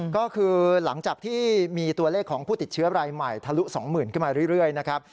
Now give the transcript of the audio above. ก็คือหลังจากที่มีตัวเลขของผู้ติดเชื้อรายใหม่ทะลุ๒๐๐๐ขึ้นมาเรื่อยนะครับ